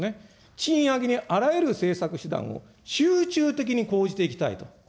賃上げにあらゆる政策手段を集中的に講じていきたいと。